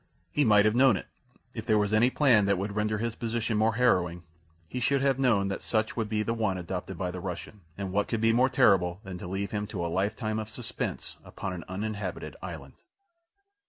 He might have known it! If there was any plan that would render his position more harrowing he should have known that such would be the one adopted by the Russian, and what could be more terrible than to leave him to a lifetime of suspense upon an uninhabited island?